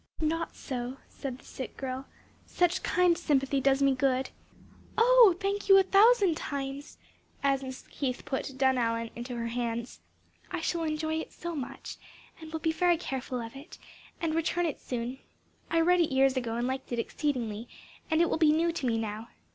"Not so," said the sick girl, "such kind sympathy does me good. Oh, thank you a thousand times!" as Mrs. Keith put "Dunallan" into her hands. "I shall enjoy it so much, and will be very careful of it, and return it soon. I read it years ago and liked it exceedingly, and it will be new to me now.